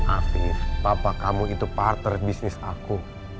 afif papa kamu itu partner bisnis aku